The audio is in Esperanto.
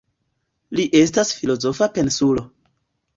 Li estas filozofa pensulo.